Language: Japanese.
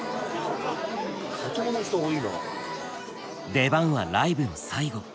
出番はライブの最後。